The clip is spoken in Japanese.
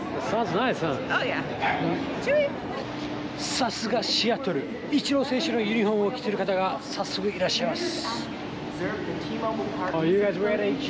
さすがシアトル、イチロー選手のユニホームを着てる方が早速、いらっしゃいます。